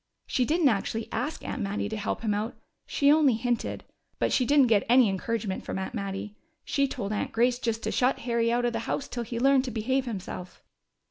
She didn't actually ask Aunt Mattie to help him out: she only hinted. But she didn't get any encouragement from Aunt Mattie. She told Aunt Grace just to shut Harry out of the house till he learned to behave himself!"